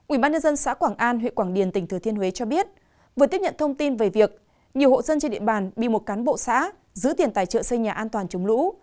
ubnd xã quảng an huyện quảng điền tỉnh thừa thiên huế cho biết vừa tiếp nhận thông tin về việc nhiều hộ dân trên địa bàn bị một cán bộ xã giữ tiền tài trợ xây nhà an toàn chống lũ